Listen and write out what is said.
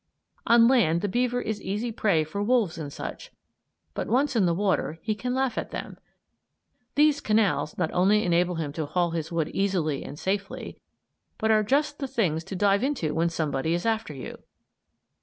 On land the beaver is easy prey for wolves and such, but once in the water he can laugh at them. These canals not only enable him to haul his wood easily and safely, but are just the things to dive into when somebody is after you.